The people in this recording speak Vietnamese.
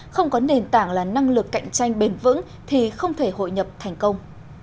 không có nền tảng là năng lực cạnh tranh bền vững thì không thể hội nhập thành công